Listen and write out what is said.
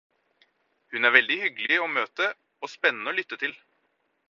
Hun er veldig hyggelig å møte og spennende å lytte til.